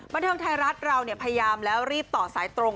บันเทิงไทยรัฐเราพยายามแล้วรีบต่อสายตรง